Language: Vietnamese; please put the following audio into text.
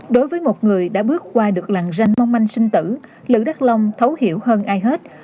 đối với một người đã bước qua được làng ranh mong manh sinh tử lữ đắc long thấu hiểu hơn ai hết